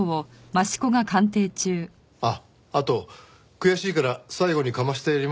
あっあと悔しいから最後にかましてやりましたけどねえ。